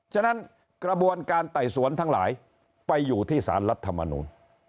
ฉะนั้นกระบวนการไต่สวนทั้งหลายไปอยู่ที่สารรัฐมนุน